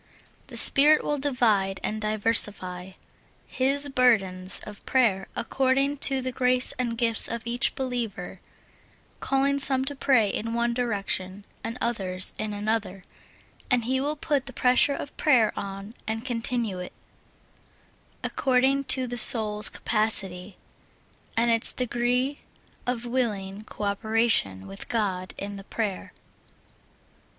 The Spirit will divide and diversify His burdens of prayer according to the grace and gifts of each believer, calling some to pray in one direction and others in an other, and He will put the pressure of prayer on and continue it, according to the soul's capacity, and its de gree of willing co operation with God in the prayer.